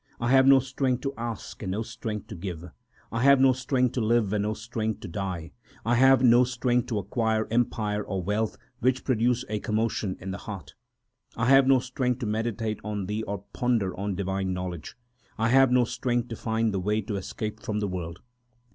4 I have no strength to ask and no strength to give ; I have no strength to live, and no strength to die ; I have no strength to acquire empire or wealth which produce a commotion in the heart. I have no strength to meditate on Thee or ponder on divine knowledge ; I have no strength to find the way to escape from the world.